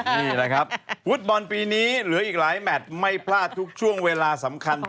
นี่แหละครับฟุตบอลปีนี้เหลืออีกหลายแมทไม่พลาดทุกช่วงเวลาสำคัญ